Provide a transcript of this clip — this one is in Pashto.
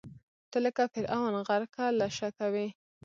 ته لکه فرعون، غرقه له شکه وې